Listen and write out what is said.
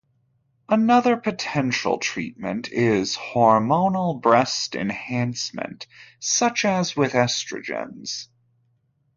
Another potential treatment is hormonal breast enhancement, such as with estrogens.